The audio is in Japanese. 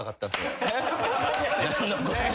何のこっちゃ。